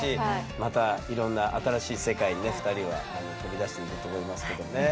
またいろんな新しい世界にね２人は飛び出していくと思いますけどね。